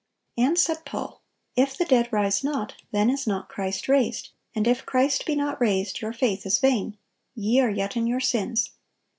And said Paul: "If the dead rise not, then is not Christ raised: and if Christ be not raised, your faith is vain; ye are yet in your sins.